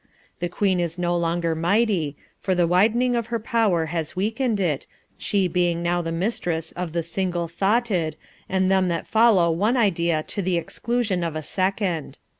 The Queen is no longer mighty, for the widening of her power has weakened it, she being now the mistress of the single thoughted, and them that follow one idea to the exclusion of a second.